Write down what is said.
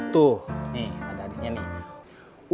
tuh nih ada habisnya nih